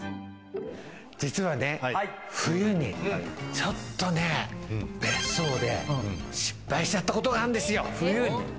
実はね、冬に、ちょっと別荘で失敗しちゃったことがあるんですよ。